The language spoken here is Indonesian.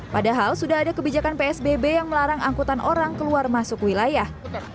padahal sudah ada kebijakan psbb yang melarang angkutan orang keluar masuk wilayah